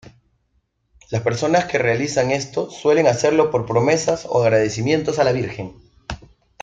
Las personas que realizan esto, suelen hacerlo por promesas o agradecimientos a la Virgen.